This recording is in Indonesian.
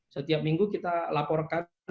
setiap minggu kita laporkan